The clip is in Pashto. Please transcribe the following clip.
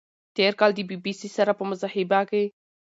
تېر کال د بی بی سي سره په مصاحبه کې